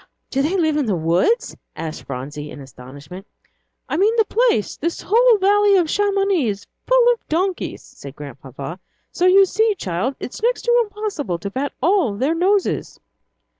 "Do they live in the woods?" asked Phronsie, in astonishment. "I mean, the place this whole valley of Chamonix is full of donkeys," said Grandpapa, "so you see, child, it's next to impossible to pat all their noses."